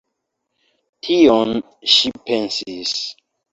Tion ŝi pensis!